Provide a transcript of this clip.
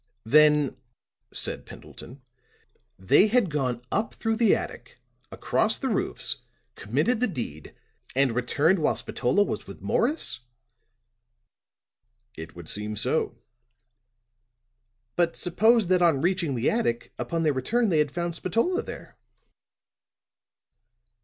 "Then," said Pendleton, "they had gone up through the attic, across the roofs, committed the deed, and returned while Spatola was with Morris?" "It would seem so." "But suppose that on reaching the attic, upon their return they had found Spatola there?"